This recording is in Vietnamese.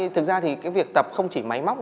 thực ra thì việc tập không chỉ máy móc